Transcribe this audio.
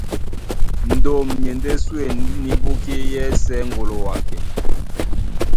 Ndóm nie ndé súe ní búkí yɛ́sɛ̄ ŋgolowakɛ.